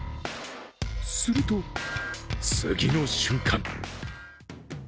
すると、次の瞬間